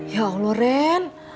ya allah ren